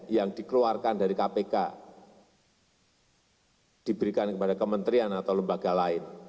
yang dikeluarkan dari kpk diberikan kepada kementerian atau lembaga lain